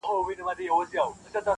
• له ناكامه به يې ښځه په ژړا سوه -